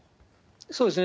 そうですね。